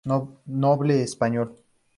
Noble español.